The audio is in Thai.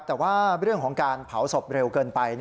แต่ว่าเรื่องของการเผาศพเร็วเกินไป